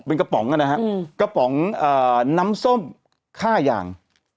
เป็นกระป๋องนะฮะกระป๋องน้ำส้มค่ายาง